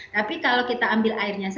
tapi kalau kita ambil airnya